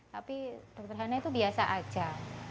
tapi dokter hana itu biasa aja